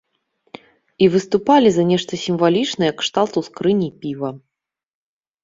І выступалі за нешта сімвалічнае кшталту скрыні піва.